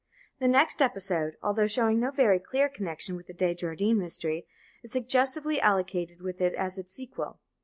The next episode, although showing no very clear connection with the De Jardin mystery, is suggestively allocated with it as its sequel.